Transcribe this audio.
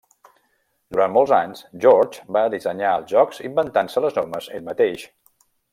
Durant molts anys, George va dissenyar els jocs inventant-se les normes ell mateix.